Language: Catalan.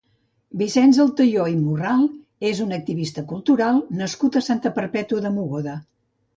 Vicenç Altaió i Morral és un activista cultural nascut a Santa Perpètua de Mogoda.